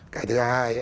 cái thứ hai